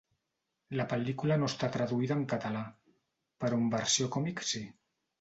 La pel·lícula no està traduïda en català, però en versió còmic sí.